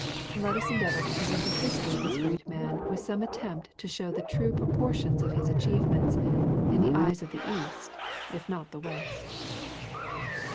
Let us endeavor to present the history of this great man with some attempt to show the true proportions of his achievements in the eyes of the East, if not the West.